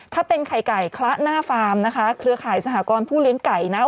ถ้าเป็นไข่ไก่คละหน้าฟาร์มนะคะเครือข่ายสหกรณ์ผู้เลี้ยงไก่นะ